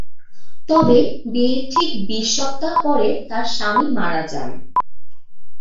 তবে বিয়ের ঠিক বিশ সপ্তাহ পরে তার স্বামী মারা যান।